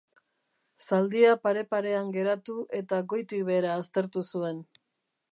Zaldia pare-parean geratu eta goitik behera aztertu zuen.